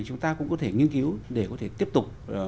chúng ta cũng có thể nghiên cứu để có thể tiếp tục